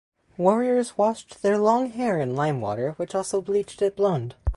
Warriors washed their long hair in lime water, which also bleached it blond.